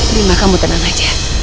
lima kamu tenang aja